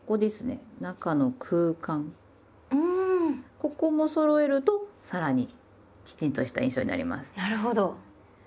ここもそろえるとさらにきちんとした印象になります。